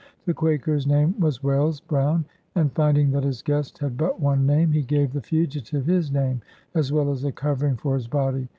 The Quaker's name was Wells Brown ; and finding that his guest had but one name, he gave the fugitive his name, as well as a covering for his body.